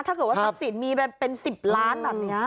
ถ้าเกิดว่าทรัพย์สินมีเป็น๑๐ล้านแบบนี้